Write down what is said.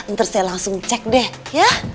ntar saya langsung cek deh ya